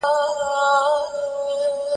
زما مي د سفر نیلی تیار دی بیا به نه وینو